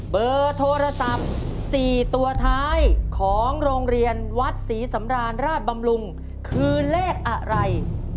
เบอร์โทรศัพท์๔ตัวท้ายของโรงเรียนวัดศรีสำราญราชบำรุงคือเลขอะไร